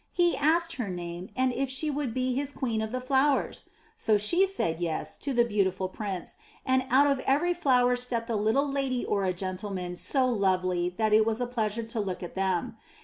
He asked her name, and if she would be his queen of the flowers ! So she said yes to the beautiful Prince, and out of every flower stepped a little lady or a gentleman so lovely that it was a pleasure to look at them.